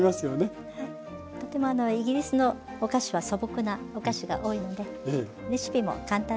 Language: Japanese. とてもイギリスのお菓子は素朴なお菓子が多いのでレシピも簡単です。